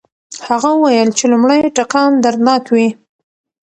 هغه وویل چې لومړی ټکان دردناک وي.